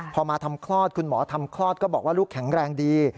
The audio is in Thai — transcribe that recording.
พอมาทำคลอดคุณหมอทำคลอดก็บอกว่าลูกแข็งแรงดี